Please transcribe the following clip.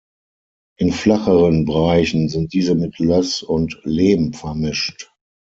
In flacheren Bereichen sind diese mit Löß und Lehm vermischt.